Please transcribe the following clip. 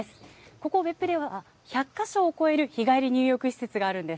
ここ、別府では１００か所を超える日帰り入浴施設があるんです。